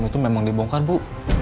itu memang dibongkar bu